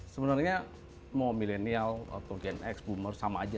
sebenarnya mau milenial atau gen x boomers sama aja